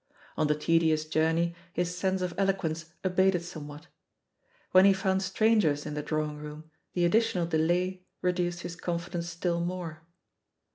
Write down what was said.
I On the tedious journey his sense of eloquence abated somewhat. When he found strangers in the drawing room the additional delay reduced his confidence still more.